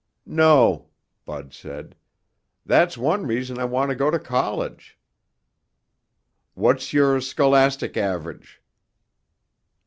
"No," Bud said. "That's one reason I want to go to college." "What's your scholastic average?"